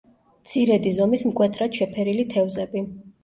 მცირედი ზომის მკვეთრად შეფერილი თევზები.